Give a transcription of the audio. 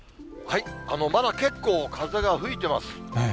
まだ結構、風が吹いてます。